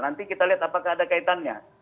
nanti kita lihat apakah ada kaitannya